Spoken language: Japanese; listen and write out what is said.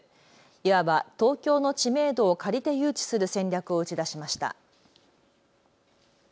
いわば東京の知名度を借りて誘致する戦略を打ち出しました。